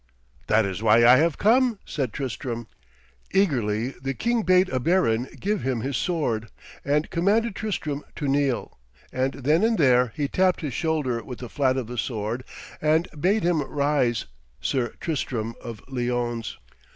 'That is why I have come,' said Tristram. Eagerly the king bade a baron give him his sword, and commanded Tristram to kneel, and then and there he tapped his shoulder with the flat of the sword and bade him rise, 'Sir Tristram of Lyones.'